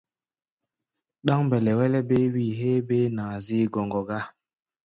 Ɗáŋ mbɛlɛ-wɛlɛ béé-wí héé béé naá-gaazígɔŋgɔ gá.